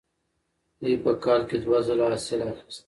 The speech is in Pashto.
دوی په کال کې دوه ځله حاصل اخیست.